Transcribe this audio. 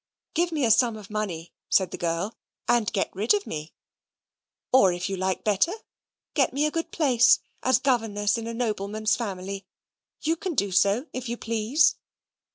"Give me a sum of money," said the girl, "and get rid of me or, if you like better, get me a good place as governess in a nobleman's family you can do so if you please."